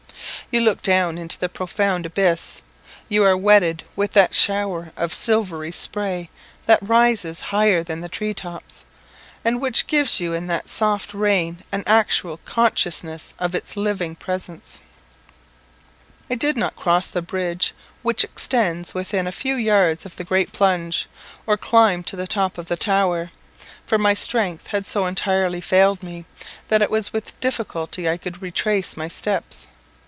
You look down into the profound abyss; you are wetted with that shower of silvery spray that rises higher than the tree tops, and which gives you in that soft rain an actual consciousness of its living presence. I did not cross the bridge, which extends within a few yards of the great plunge, or climb to the top of the tower; for my strength had so entirely failed me, that it was with difficulty I could retrace my steps.